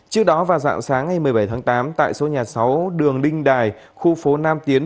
trước đó vào dạng sáng ngày một mươi bảy tháng tám tại số nhà sáu đường đinh đài khu phố nam tiến